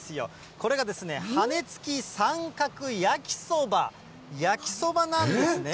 これが羽根つき三角焼きそば、焼きそばなんですね。